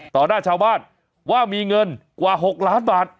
หน้าชาวบ้านว่ามีเงินกว่า๖ล้านบาท